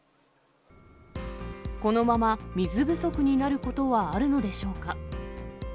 このまま水不足になることはあるのでしょうか。